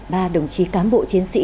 ba đồng chí cám bộ chiến sĩ